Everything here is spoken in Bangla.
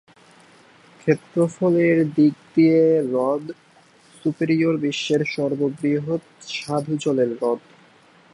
ক্ষেত্রফলের দিক দিয়ে হ্রদ সুপিরিয়র বিশ্বের সর্ববৃহৎ স্বাদু জলের হ্রদ।